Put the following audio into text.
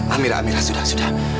amira amira sudah sudah